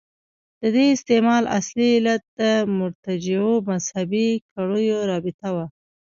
د دې استعمال اصلي علت د مرتجعو مذهبي کړیو رابطه وه.